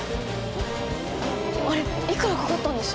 ・おあれいくらかかったんです！？